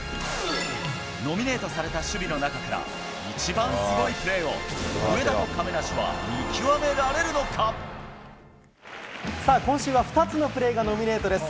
ノミネートされた守備の中から、一番すごいプレーを、上田と亀梨さあ、今週は２つのプレーがノミネートです。